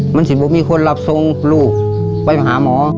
มันสิบอกมีคนรับทรงลูกไปหาหมอ